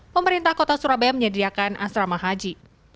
pemerintah kota surabaya menyediakan asrama haji